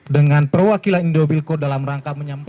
dengan perwakilan indobilco dalam rangka menyampaikan